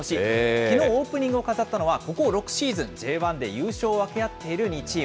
きのう、オープニングを飾ったのは、ここ６シーズン、Ｊ１で優勝を分け合っている２チーム。